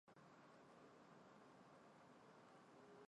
北托纳万达是美国纽约州尼亚加拉县的一座城市。